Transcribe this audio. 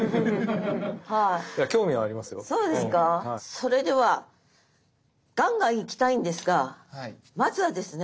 それではガンガン行きたいんですがまずはですね。